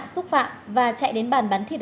xúc phạm và chạy đến bàn bán thịt